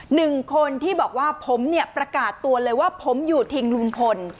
หนึ่งคนที่บอกว่าผมเนี่ยประกาศตัวเลยว่าผมอยู่ทิ้งลุงพล